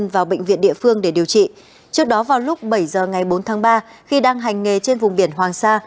vào bệnh viện địa phương để điều trị trước đó vào lúc bảy giờ ngày bốn tháng ba khi đang hành nghề trên vùng biển hoàng sa